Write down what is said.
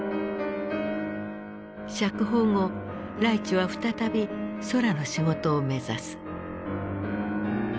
釈放後ライチュは再び空の仕事を目指す。